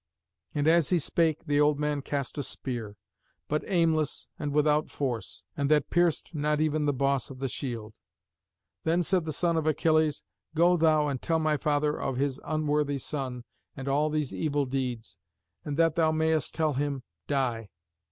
And as he spake the old man cast a spear, but aimless and without force, and that pierced not even the boss of the shield. Then said the son of Achilles, "Go thou and tell my father of his unworthy son and all these evil deeds. And that thou mayest tell him, die!"